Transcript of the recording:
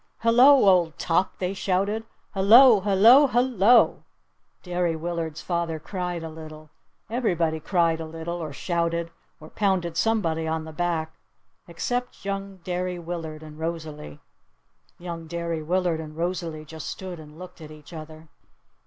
"Hello, old top!" they shouted. "Hello hello hello!" Derry Willard's father cried a little. Everybody cried a little or shouted or pounded somebody on the back except young Derry Willard and Rosalee. Young Derry Willard and Rosalee just stood and looked at each other.